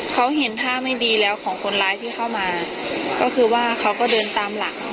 เขาเห็นท่าไม่ดีแล้วของคนร้ายที่เข้ามาก็คือว่าเขาก็เดินตามหลัง